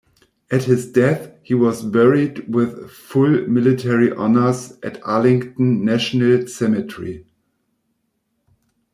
At his death he was buried with full military honors, at Arlington National Cemetery.